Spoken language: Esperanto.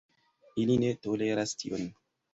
Ili ne toleras tion.